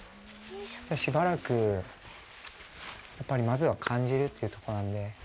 しばらく、やっぱりまずは感じるというところなんで。